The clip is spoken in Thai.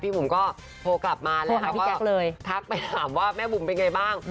บุ๋มก็โทรกลับมาแล้วก็ทักไปถามว่าแม่บุ๋มเป็นไงบ้าง